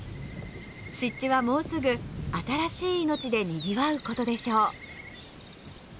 湿地はもうすぐ新しい命でにぎわう事でしょう。